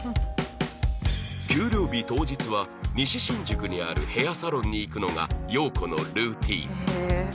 給料日当日は西新宿にあるヘアサロンに行くのが洋子のルーティン